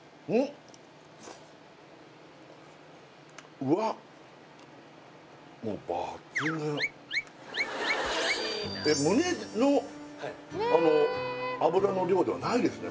うわっ胸の脂の量ではないですね